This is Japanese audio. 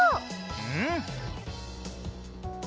うん！